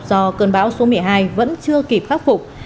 do cơn bão số một mươi hai vẫn chưa kịp khắc phục